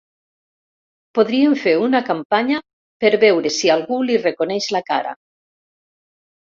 Podríem fer una campanya per veure si algú li reconeix la cara.